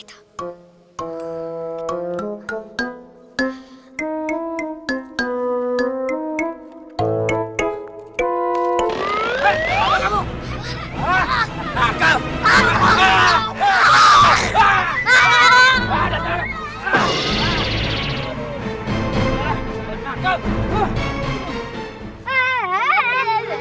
aku punya ide